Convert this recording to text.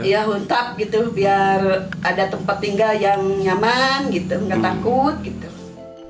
ya huntap gitu biar ada tempat tinggal yang nyaman gitu nggak takut gitu